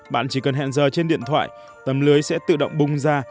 bạn chỉ cần hẹn giờ trên điện thoại tấm lưới sẽ tự động bung ra